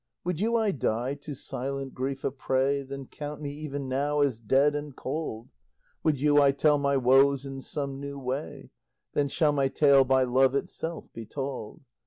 Would you I die, to silent grief a prey? Then count me even now as dead and cold; Would you I tell my woes in some new way? Then shall my tale by Love itself be told.